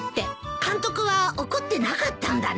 監督は怒ってなかったんだね。